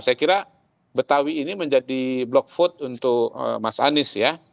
saya kira betawi ini menjadi block food untuk mas anies ya